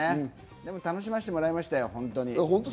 でも楽しましてもらいましたよ、本当に。